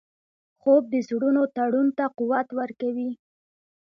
خوب د زړونو تړون ته قوت ورکوي